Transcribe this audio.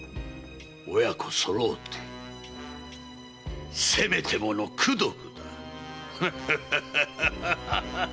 親子そろうてせめてもの功徳だ。